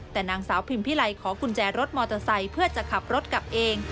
แต่นางสาวพิมพิไลขอกุญแจรถมอเตอร์ไซค์เพื่อจะขับรถกลับเอง